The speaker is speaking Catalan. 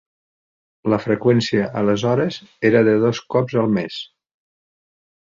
La freqüència aleshores era de dos cops al mes.